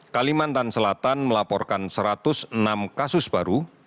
kalimantan selatan melaporkan satu ratus enam kasus baru